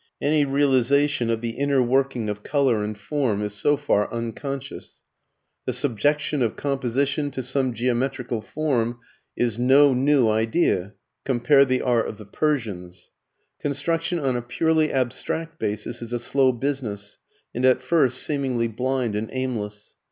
Any realization of the inner working of colour and form is so far unconscious. The subjection of composition to some geometrical form is no new idea (cf. the art of the Persians). Construction on a purely abstract basis is a slow business, and at first seemingly blind and aimless.